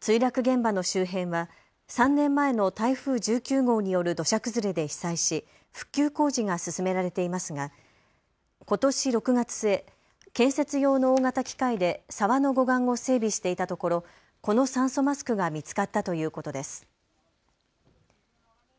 墜落現場の周辺は３年前の台風１９号による土砂崩れで被災し復旧工事が進められていますがことし６月末、建設用の大型機械で沢の護岸を整備していたところ、この酸素マスクが見つかったということです。